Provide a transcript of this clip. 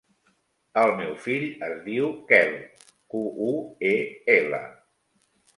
El meu fill es diu Quel: cu, u, e, ela.